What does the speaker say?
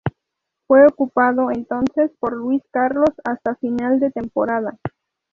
Fue ocupado entonces por Luis Carlos hasta final de temporada.